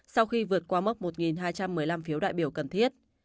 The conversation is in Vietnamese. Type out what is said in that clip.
sau khi vượt qua mốc một hai trăm một mươi năm phiếu đại biểu cần thiết